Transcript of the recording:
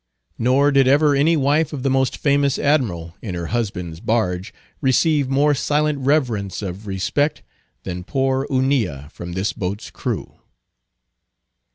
Nor did ever any wife of the most famous admiral, in her husband's barge, receive more silent reverence of respect than poor Hunilla from this boat's crew.